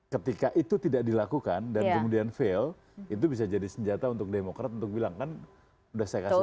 ketika itu tidak dilakukan dan kemudian fail itu bisa jadi senjata untuk demokrat untuk bilang kan udah saya kasih